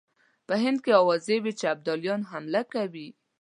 په هند کې آوازې وې چې ابدالي حمله کوي.